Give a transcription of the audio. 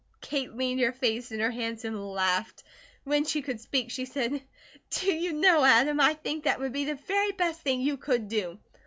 Kate leaned her face in her hands and laughed. When she could speak she said: "Do you know, Adam, I think that would be the very best thing you could do."